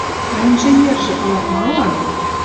А инженержы ылат малан?